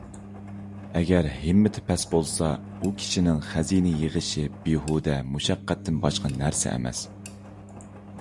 ئەگەر ھىممىتى پەس بولسا، ئۇ كىشىنىڭ خەزىنە يىغىشى بىھۇدە مۇشەققەتتىن باشقا نەرسە ئەمەس.